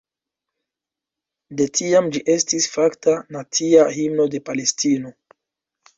De tiam ĝi estis fakta nacia himno de Palestino.